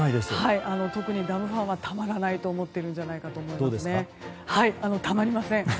特にダムファンはたまらないと思っていると思います。